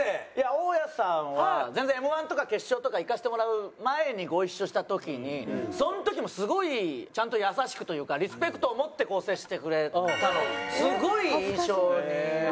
大家さんは全然Ｍ−１とか決勝とか行かせてもらう前にご一緒した時にその時もすごいちゃんと優しくというかリスペクトを持って接してくれたのすごい印象に残ってて。